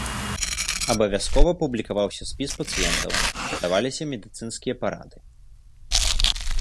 Абавязкова публікаваўся спіс пацыентаў, даваліся медыцынскія парады.